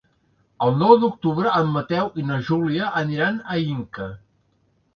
El nou d'octubre en Mateu i na Júlia aniran a Inca.